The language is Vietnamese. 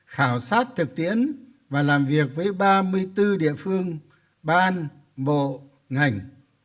khảo sát thực tiễn và làm việc với ba mươi bốn địa phương ban bộ ngành